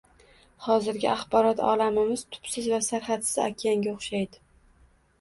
Hozirgi axborot olamimiz tubsiz va sarhadsiz okeanga o`xshaydi